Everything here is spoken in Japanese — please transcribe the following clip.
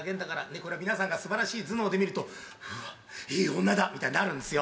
これを皆さんがすばらしい頭脳で見ると、わぁ、いい女だみたいになるんですよ。